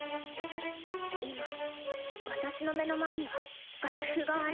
今私の目の前には楽譜がある。